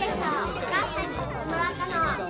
おかあさんにかってもらったの。